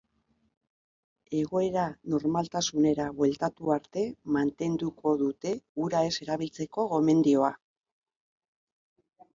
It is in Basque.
Egoera normaltasunera bueltatu arte mantenduko dute ura ez erabiltzeko gomendioa.